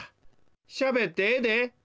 しゃべってええで。